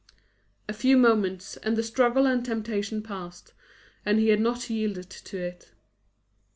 A few moments, and the struggle and temptation passed, and he had not yielded to it.